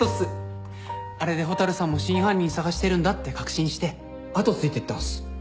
あれで蛍さんも真犯人捜してるんだって確信して後ついてったんす。